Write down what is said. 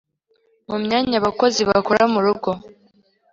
mu myanya abakozi bakora murugo